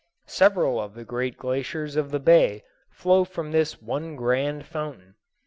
Several of the great glaciers of the bay flow from this one grand fountain.